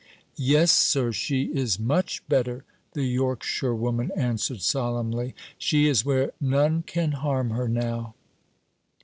"Yes, sir, she is much better," the Yorkshirewoman answered solemnly. "She is where none can harm her now."